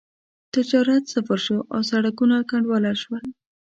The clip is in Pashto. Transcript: تجارت صفر شو او سړکونه کنډواله شول.